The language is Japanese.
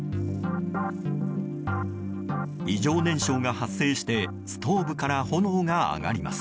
異常燃焼が発生してストーブから炎が上がります。